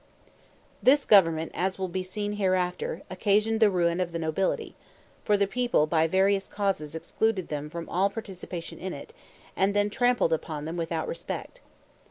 This government, as will be seen hereafter, occasioned the ruin of the nobility; for the people by various causes excluded them from all participation in it, and then trampled upon them without respect.